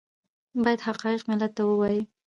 باید حقایق ملت ته ووایي